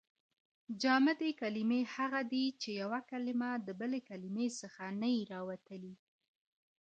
جامدي کلیمې هغه دي، چي یوه کلیمه د بلي کلیمې څخه نه يي راوتلي.